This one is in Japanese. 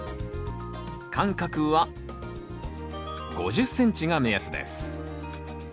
間隔は５０ｃｍが目安です。